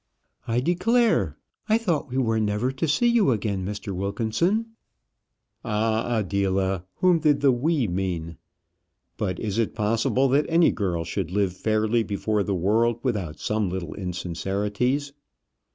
"I declare, I thought we were never to see you again, Mr. Wilkinson." Ah, Adela! whom did the we mean? But is it possible that any girl should live fairly before the world without some little insincerities?